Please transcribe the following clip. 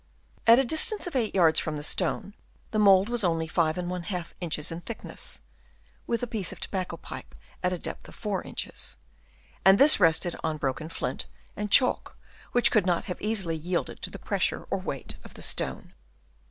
At a distance of 8 yards from the stone, the mould was only 5^ inches in thickness (with a piece of tobacco pipe at a depth of 4 inches), and this rested on broken flint and chalk which could not have easily yielded to the pressure or weight of the stone.